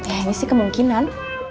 ya ini sih kemungkinan